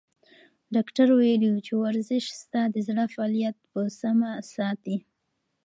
ډاکتر ویلي وو چې ورزش ستا د زړه فعالیت په سمه ساتي.